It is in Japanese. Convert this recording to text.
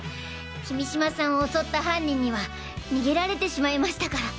君島さんを襲った犯人には逃げられてしまいましたから。